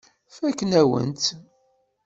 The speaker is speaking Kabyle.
Fakkent-awen-tt.